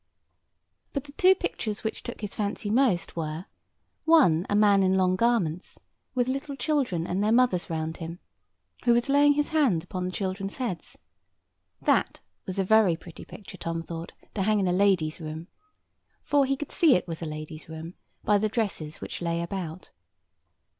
But the two pictures which took his fancy most were, one a man in long garments, with little children and their mothers round him, who was laying his hand upon the children's heads. That was a very pretty picture, Tom thought, to hang in a lady's room. For he could see that it was a lady's room by the dresses which lay about.